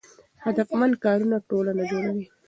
هدفمند کارونه ټولنه جوړوي.